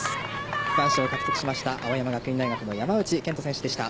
区間賞を獲得しました青山学院大学の２人、区間賞が出ました。